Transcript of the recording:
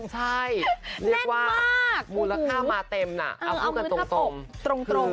ใช่เรียกว่ามูลค่ามาเต็มน่ะเอามือทาบกตรง